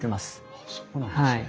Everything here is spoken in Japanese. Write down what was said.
あっそうなんですね。